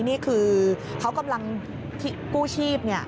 นี่คือเขากำลังกู้ชีพ